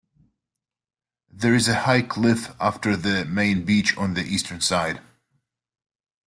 There is a high cliff after the main beach on the eastern side.